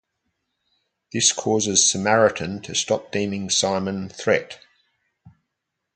This causes Samaritan to stop deeming Simon "threat".